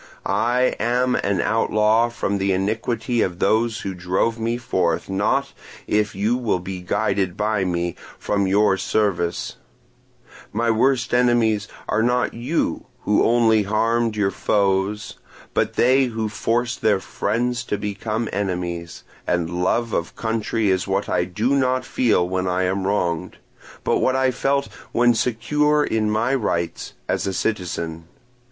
I am an outlaw from the iniquity of those who drove me forth, not, if you will be guided by me, from your service; my worst enemies are not you who only harmed your foes, but they who forced their friends to become enemies; and love of country is what I do not feel when I am wronged, but what I felt when secure in my rights as a citizen.